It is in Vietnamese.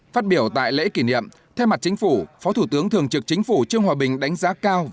phát biểu tại lễ kỷ niệm thay mặt chính phủ phó thủ tướng thường trực chính phủ trương hòa bình đánh giá cao